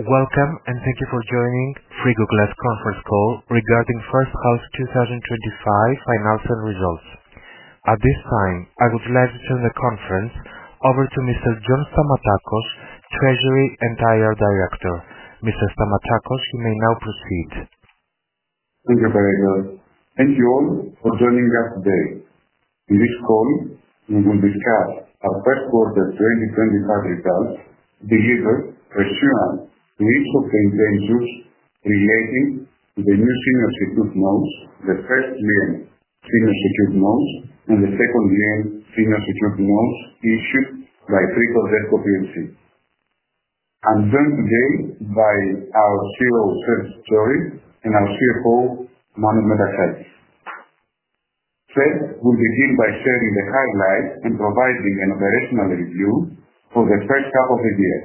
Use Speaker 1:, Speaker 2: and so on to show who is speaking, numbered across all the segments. Speaker 1: Welcome, and thank you for joining Frigoglass Conference Call Regarding First Half 2025 Financial Results. At this time, I would like to turn the conference over to Mr. John Stamatakos, Treasury and Investor Relations Director. Mr. Stamatakos, you may now proceed.
Speaker 2: Thank you very much. Thank you all for joining us today. In this call, we will discuss our first quarter 2025 results, deliver assurance, political consensus relating to the new senior citizen loan, the first year senior citizen loan, and the second year senior citizen loan issued by Frigoglass S.A. I'm joined today by our CEO, Serge Joris, and our CFO, Maos Metaxakis. Serge will begin by sharing the highlights and providing an operational review for the first half of the year.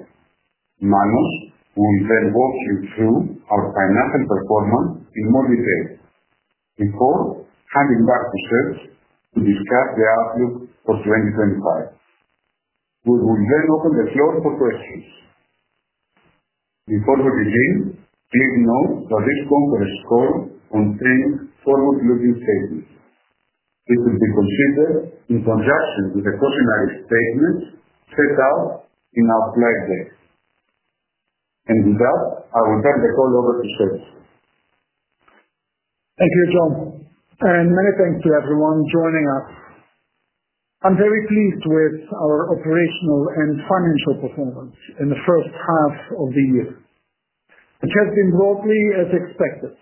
Speaker 2: Manos will then walk you through our financial performance in more detail before handing back to Serge to discuss the outlook for 2025. We will then open the floor for questions. Before we begin, please note that this conference call contains forward-looking statements. It will be considered in conjunction with the quarterly statements set out in our slide deck. With that, I will turn the call over to Serge.
Speaker 3: Thank you, John. Many thanks to everyone joining us. I'm very pleased with our operational and financial performance in the first half of the year. It has been broadly as expected.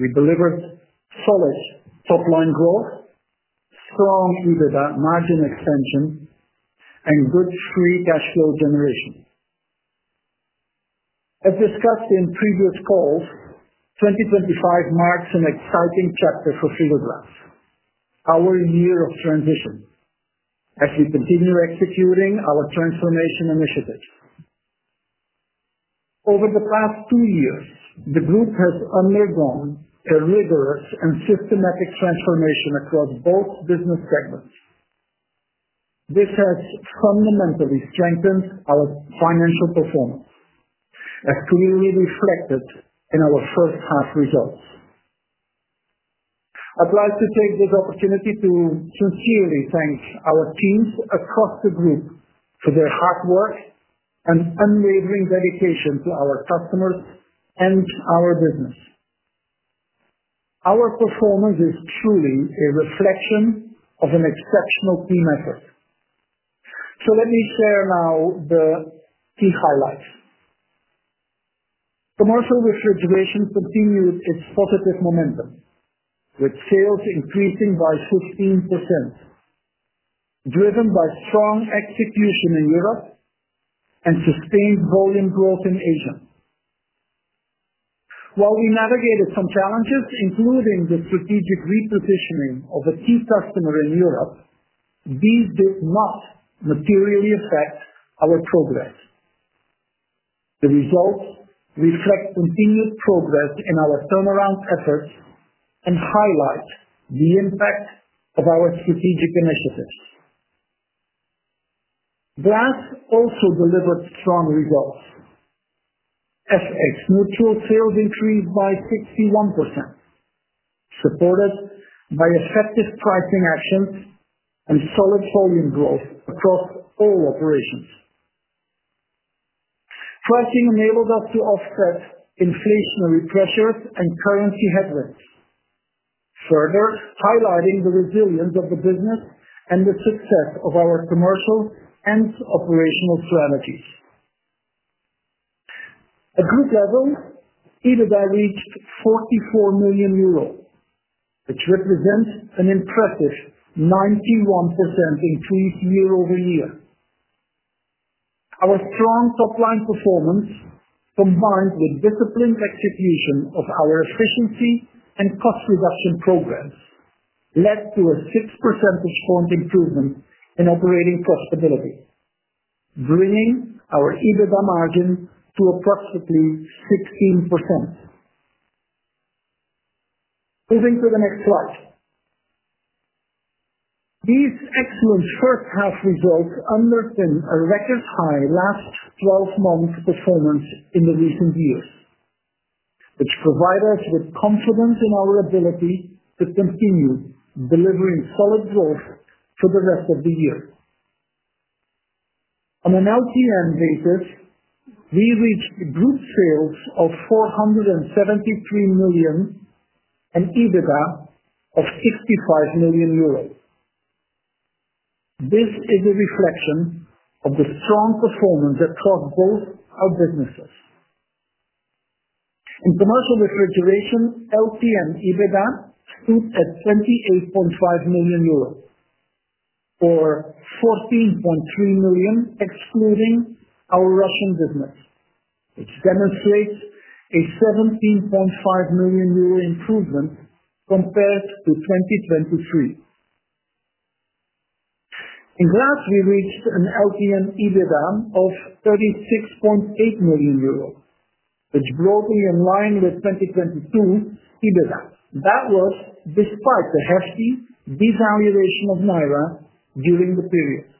Speaker 3: We delivered solid top-line growth, strong EBITDA margin expansion, and good free cash flow generation. As discussed in previous calls, 2025 marks an exciting chapter for Frigoglass, our year of transition, as we continue executing our transformation initiatives. Over the past two years, the group has undergone a rigorous and systematic transformation across both business segments. This has fundamentally strengthened our financial performance, as clearly reflected in our first half results. I would like to take this opportunity to sincerely thank our teams across the group for their hard work and unwavering dedication to our customers and our business. Our performance is truly a reflection of an exceptional team effort. Let me share now the key highlights. Commercial refrigeration continued to foster this momentum, with sales increasing by 15%, driven by strong execution in Europe and sustained volume growth in Asia. While we navigated some challenges, including the strategic repositioning of a key customer in Europe, these did not materially affect our progress. The results reflect continued progress in our turnaround efforts and highlight the impact of our strategic initiatives. Glass also delivered strong results. Currency-neutral sales decreased by 61%, supported by effective pricing actions and solid volume growth across all operations. Pricing enabled us to offset inflationary pressures and currency headwinds, further highlighting the resilience of the business and the success of our commercial and operational strategies. At group levels, EBITDA reached 44 million euros, which represents an impressive 91% increase year-over-year. Our strong top-line performance, combined with disciplined execution of our efficiency and cost reduction programs, led to a 6% percentage point improvement in operating profitability, bringing our EBITDA margin to approximately 16%. Moving to the next slide. These excellent first half results underpin a record-high last twelve months' performance in the recent years, which provides us with confidence in our ability to continue delivering solid growth for the rest of the year. On a last twelve months (LTM) basis, we reached group sales of 473 million and EBITDA of 65 million euros. This is a reflection of the strong performance across both our businesses. In commercial refrigeration, LTM EBITDA stood at 28.5 million euros or 14.3 million, excluding our Russian business, which demonstrates a 17.5 million euro improvement compared to 2023. In glass, we reached an LTM EBITDA of 36.8 million euros, which is broadly in line with 2022 EBITDA. That was despite the hefty devaluation of Naira during the period.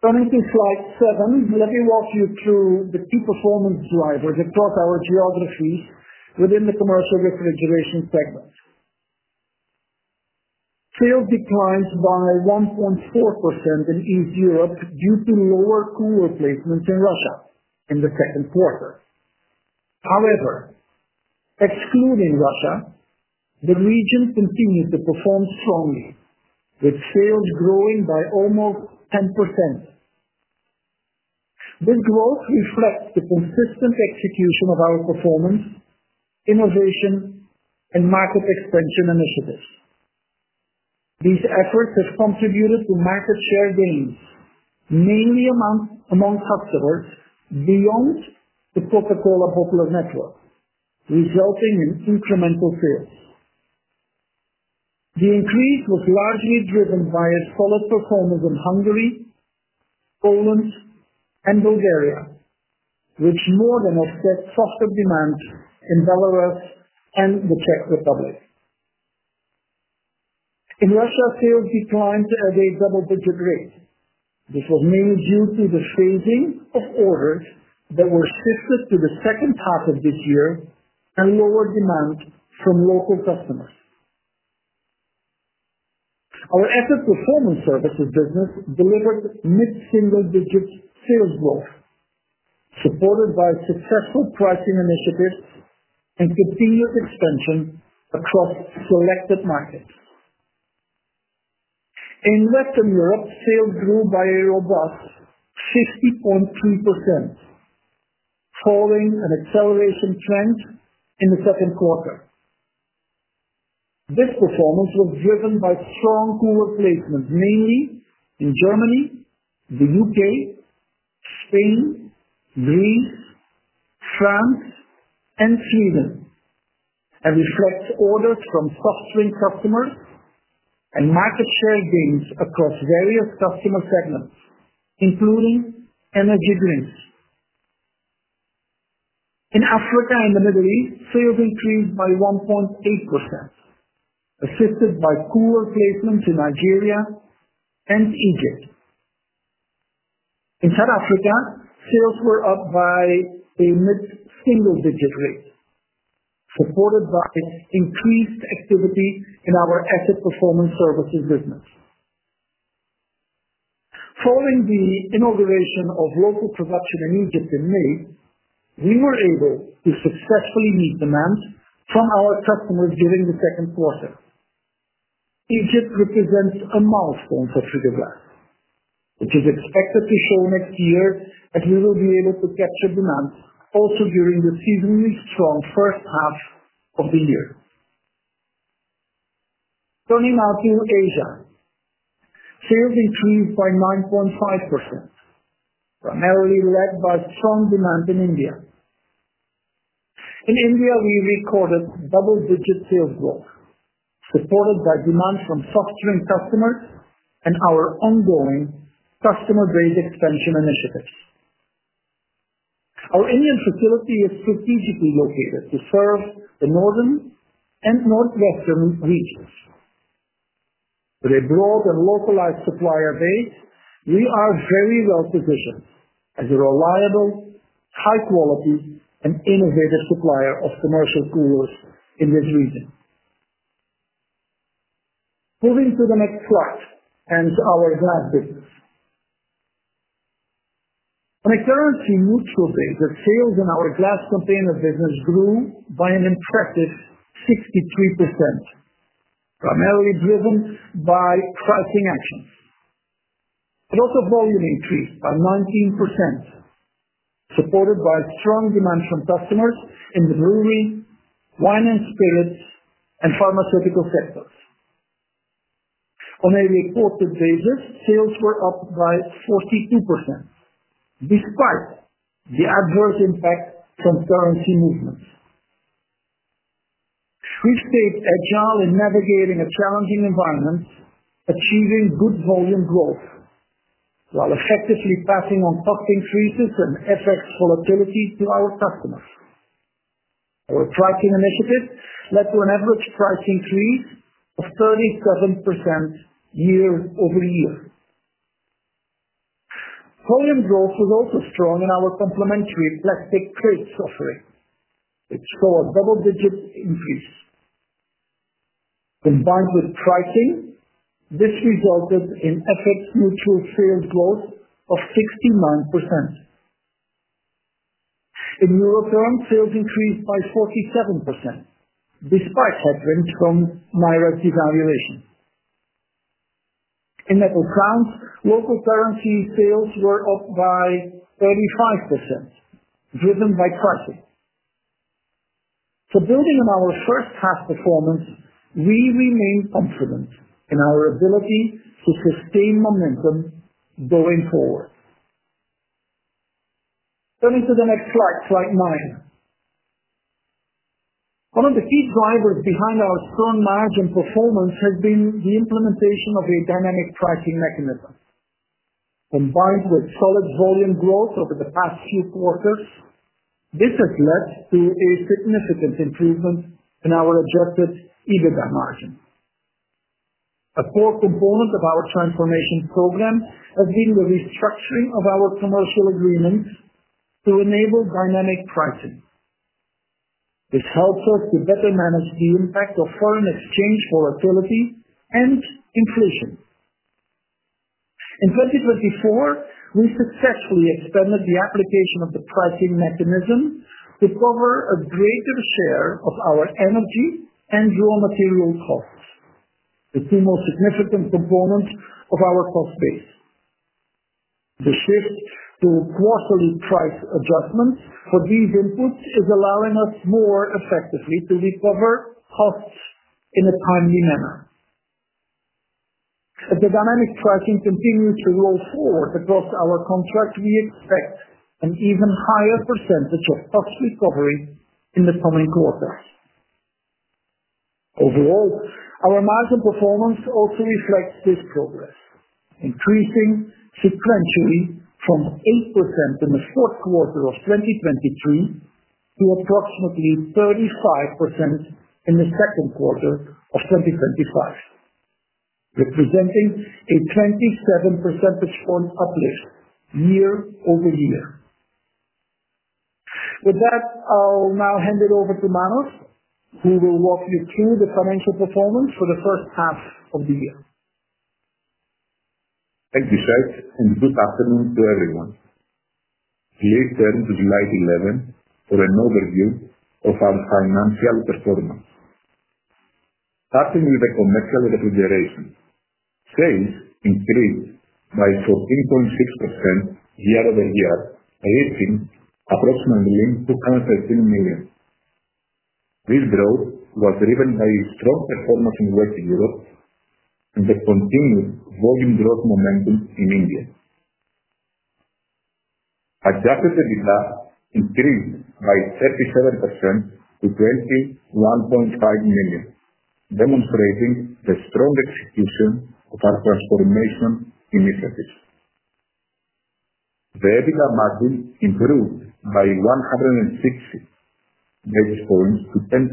Speaker 3: Turning to slide seven, let me walk you through the key performance drivers across our geographies within the commercial refrigeration segment. Sales declined by 1.4% in East Europe due to lower cooler placements in Russia in the second quarter. However, excluding Russia, the region continues to perform strongly with sales growing by almost 10%. This growth reflects the consistent execution of our performance, innovation, and market expansion initiatives. These efforts have contributed to market share gains, mainly among customers beyond the Coca-Cola popular network, resulting in incremental sales. The increase was largely driven by a solid performance in Hungary, Poland, and Bulgaria, which more than offset softer demand in Belarus and the Czech Republic. In Russia, sales declined at a double-digit rate. This was mainly due to the phasing of orders that were shifted to the second half of this year and lower demand from local customers. Our asset performance for the business delivered mid-single-digit sales growth, supported by successful pricing initiatives and continued expansion across selected markets. In Western Europe, sales grew by a robust 50.3%, following an acceleration trend in the second quarter. This performance was driven by strong cooler placements, mainly in Germany, the UK, Spain, Greece, France, and Sweden, and reflects orders from soft drink customers and market share gains across various customer segments, including energy drinks. In Africa and the Middle East, sales increased by 1.8%, assisted by cooler placements in Nigeria and Egypt. In South Africa, sales were up by a mid-single-digit rate, supported by increased activity in our asset performance services business. Following the inauguration of local production in Egypt in May, we were able to successfully meet demand from our customers during the second quarter. Egypt represents a milestone for Frigoglass. It is expected to sell next year, and we will be able to capture demand also during the seasonally strong first half of the year. Turning now to Asia, sales increased by 9.5%, primarily led by strong demand in India. In India, we recorded double-digit sales growth, supported by demand from soft drink customers and our ongoing customer-based expansion initiatives. Our Indian facility is strategically located to serve the northern and northwestern regions. With a broad and localized supplier base, we are very well positioned as a reliable, high-quality, and innovative supplier of commercial coolers in this region. Moving to the next slide and our glass business. On a currency-neutral basis, sales in our glass container business grew by an impressive 63%, primarily driven by pricing actions. The total volume increased by 19%, supported by strong demand from customers in the brewery, food, and pharmaceutical sectors. On a reported basis, sales were up by 42% despite the adverse impact from currency movements. We stayed agile in navigating a challenging environment, achieving good volume growth while effectively passing on tough constraints and FX volatility to our customers. Our pricing initiatives led to an average pricing increase of 37% year-over-year. Volume growth was also strong in our complementary plastic crates offering, which saw double-digit increases. Combined with pricing, this resulted in currency-neutral sales growth of 69%. In Europe, sales increased by 47% despite headwinds from the Naira's devaluation. In the UK, local currency sales were up by 35%, driven by pricing. Building on our first half performance, we remain confident in our ability to sustain momentum going forward. Turning to the next slide, slide nine. One of the key drivers behind our current margin performance has been the implementation of a dynamic pricing mechanism. Combined with solid volume growth over the past few quarters, this has led to a significant improvement in our objective EBITDA margin. A core component of our transformation program has been the restructuring of our commercial agreements to enable dynamic pricing. This helps us to better manage the impact of foreign exchange volatility and inflation. In 2024, we successfully expanded the application of the pricing mechanism to cover a greater share of our energy and raw materials costs, the two most significant components of our cost base. The shift to quarterly price adjustments for these inputs is allowing us to more effectively recover costs in a timely manner. As the dynamic pricing continues to roll forward across our contracts, we expect an even higher percentage of cost recovery in the coming quarter. Overall, our margin performance also reflects this progress, increasing sequentially from 8% in the first quarter of 2023 to approximately 35% in the second quarter of 2025, representing a 27% percentage point uplift year-over-year. With that, I'll now hand it over to Manos. He will walk you through the financial performance for the first half of the year.
Speaker 4: Thank you, Fred. Good afternoon to everyone. Here is the end of slide 11 for an overview of our financial performance. Starting with the commercial refrigeration, sales increased by 14.6% year over year, averaging approximately 213 million. This growth was driven by a strong performance in Western Europe and the continued volume growth momentum in India. Adjusted EBITDA increased by 37% to 21.5 million, demonstrating the strong execution of our transformation initiatives. The EBITDA margin improved by 160 basis points to 10.1%,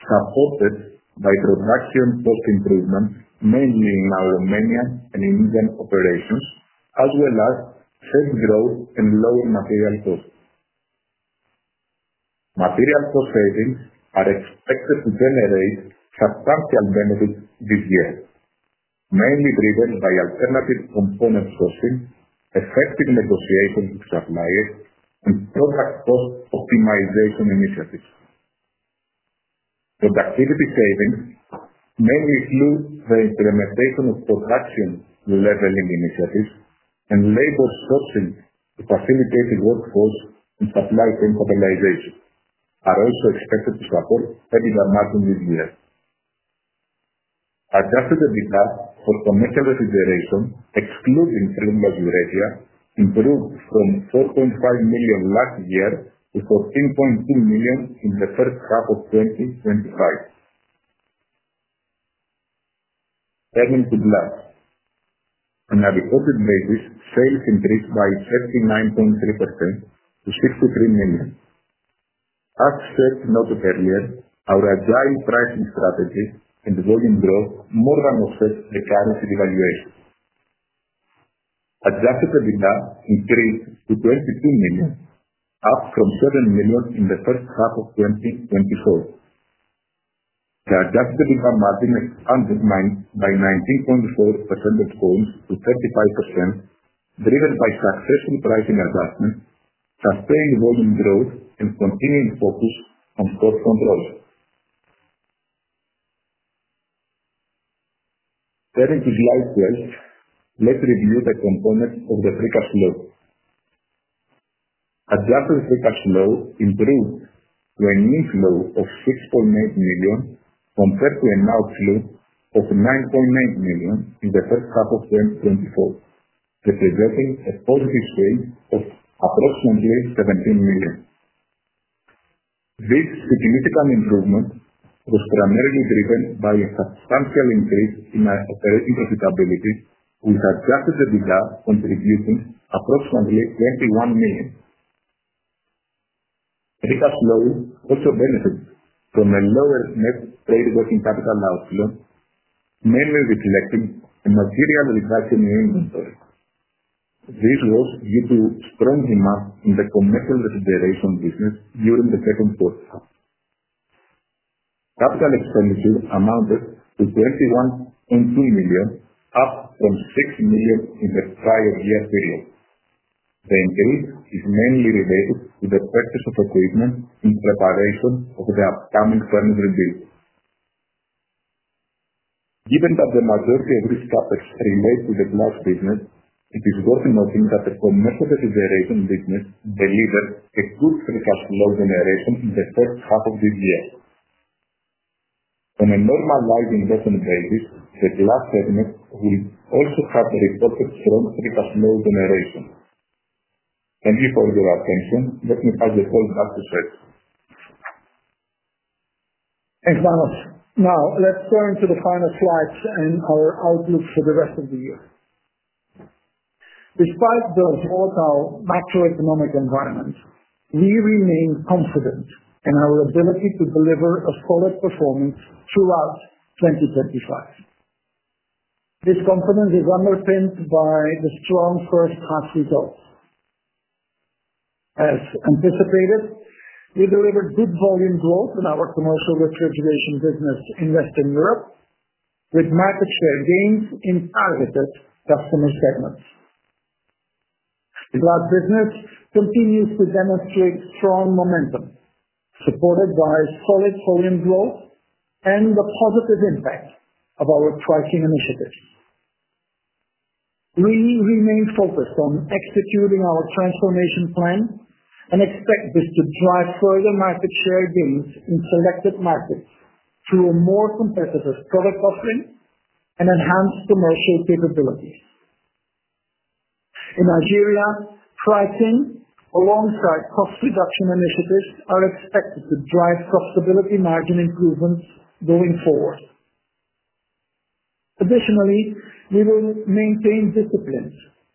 Speaker 4: supported by production cost improvements, mainly in our Romanian and Indian operations, as well as shift growth in low material costs. Material cost savings are expected to generate substantial benefits this year, mainly driven by alternative component sourcing, effective negotiations with suppliers, and product cost optimization initiatives. Productivity savings, mainly through the implementation of production leveling initiatives and labor throttling to facilitate workforce and supply chain organization, are also expected to support EBITDA margin this year. Adjusted EBITDA for commercial refrigeration, excluding film modulation, improved from 4.5 million last year to 14.2 million in the first half of 2025. Turning to glass, on a reported basis, sales increased by 39.3% to 63 million. As Fred noted earlier, our agile pricing strategy and volume growth more than offset the currency devaluation. Adjusted EBITDA increased to 22 million, up from 7 million in the first half of 2024. The adjusted EBITDA margin expanded by 19.4 percentage points to 35%, driven by successful pricing adjustments, sustained volume growth, and continued focus on cost control. Turning to slide 12, let's review the components of the free cash flow. Adjusted free cash flow improved to an inflow of 6.8 million compared to an outflow of 9.8 million in the first half of 2024, resulting in a positive gain of approximately 17 million. This significant improvement was primarily driven by a substantial increase in our operating profitability, with adjusted EBITDA contributing approximately EUR 21 million. Free cash flow also benefits from a lower net trade working capital outflow, mainly reflecting a material reduction in inventory. This was due to strong demand in the commercial refrigeration business during the second quarter. Capital expenditures amounted to 21.2 million, up from 6 million in the prior year period. The increase is mainly related to the purchase of equipment in preparation of the upcoming furnace rebuild. Given that the majority of these topics relate to the glass business, it is worth noting that the commercial refrigeration business delivered a good free cash flow generation in the first half of this year. On a normalized investment basis, the glass segment will also have the resulting strong free cash flow generation. Thank you for your attention. Let me pass the floor back to Serge.
Speaker 3: Thanks, Manus. Now, let's turn to the final slides and our outlook for the rest of the year. Despite the volatile macroeconomic environment, we remain confident in our ability to deliver a solid performance throughout 2025. This confidence is underpinned by the strong first half results. As anticipated, we delivered good volume growth in our commercial refrigeration business in Western Europe, with market share gains in targeted performance segments. The glass container business continues to demonstrate strong momentum, supported by solid volume growth and the positive impact of our pricing initiatives. We remain focused on executing our transformation program and expect this to drive further market share gains in selected markets through a more competitive product offering and enhanced commercial capability. For Nigeria, pricing alongside cost optimization initiatives are expected to drive profitability margin improvements going forward. Additionally, we will maintain discipline,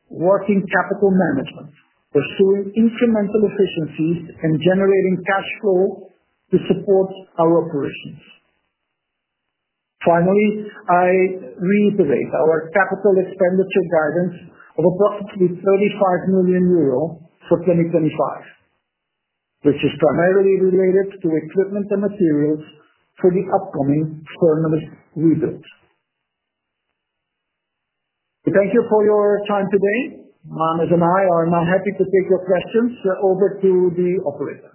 Speaker 3: working capital management, pursuing incremental efficiencies, and generating free cash flow to support our operations. Finally, I reiterate our capital expenditures guidance of approximately 35 million euro for 2025. This is primarily related to equipment and materials for the upcoming furnished refills. Thank you for your time today. Manus and I are now happy to take your questions over to the operator.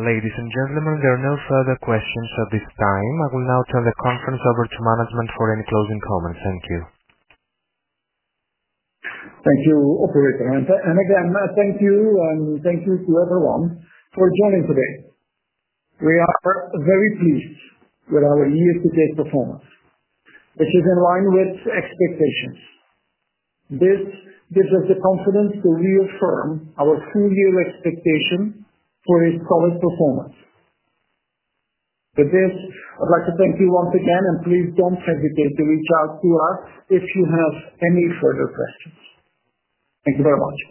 Speaker 1: Ladies and gentlemen, there are no further questions at this time. I will now turn the conference over to management for any closing comments. Thank you.
Speaker 3: Thank you, operator. Thank you to everyone for joining today. We are very pleased with our year-to-date performance. This is in line with expectations. This gives us the confidence to reaffirm our full-year expectation for a solid performance. With this, I'd like to thank you once again, and please don't hesitate to reach out to us if you have any further questions. Thank you very much.